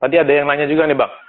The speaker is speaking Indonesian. tadi ada yang nanya juga nih bang